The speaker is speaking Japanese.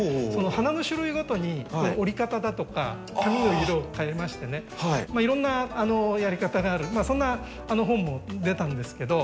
花の種類ごとに折り方だとか紙の色をかえましてねいろんなやり方があるそんな本も出たんですけど。